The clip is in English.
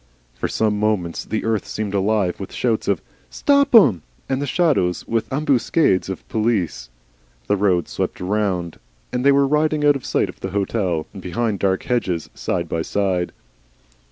For some moments the earth seemed alive with shouts of, "Stop 'em!" and the shadows with ambuscades of police. The road swept round, and they were riding out of sight of the hotel, and behind dark hedges, side by side.